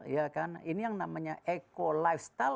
ya kan ini yang namanya eco lifestyle